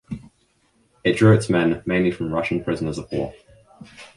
It drew its men mainly from Russian prisoners of war.